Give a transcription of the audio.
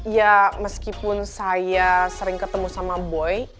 ya meskipun saya sering ketemu sama boy